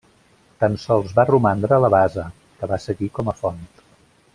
Tan sols va romandre la base, que va seguir com a font.